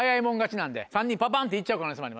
３人パパンっていっちゃう可能性も。